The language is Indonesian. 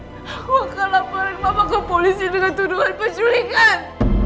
aku akan laparin mama ke polisi dengan tuduhan penculikan